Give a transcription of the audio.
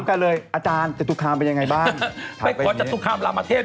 ใครอายุทยาพรุ่งนี้มาเจอกับผม